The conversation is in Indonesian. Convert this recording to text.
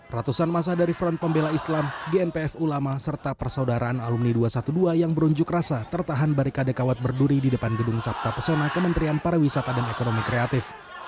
ratusan masa dari front pembela islam gnpf ulama serta persaudaraan alumni dua ratus dua belas yang berunjuk rasa tertahan barikade kawat berduri di depan gedung sabta pesona kementerian pariwisata dan ekonomi kreatif